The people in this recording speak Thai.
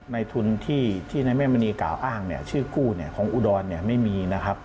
ในทุนที่แม่มณีกล่าวอ้างชื่อเฮียกู้ของอุดรธานีไม่มีนะครับ